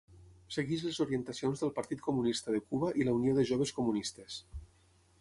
Segueix les orientacions del Partit Comunista de Cuba i la Unió de Joves Comunistes.